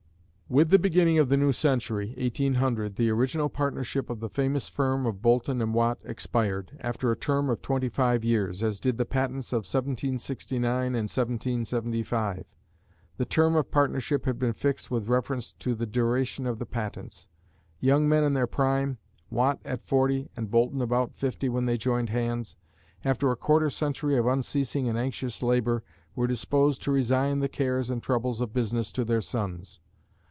With the beginning of the new century, 1800, the original partnership of the famous firm of Boulton and Watt expired, after a term of twenty five years, as did the patents of 1769 and 1775. The term of partnership had been fixed with reference to the duration of the patents. Young men in their prime, Watt at forty and Boulton about fifty when they joined hands, after a quarter century of unceasing and anxious labor, were disposed to resign the cares and troubles of business to their sons.